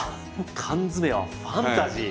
缶詰はファンタジー？